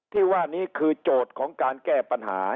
ที่ว่านี้คือโจทย์ของการแก้ปัญหา